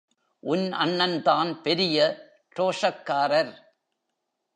உன் அண்ணன்தான் பெரிய ரோஷக்காரர்.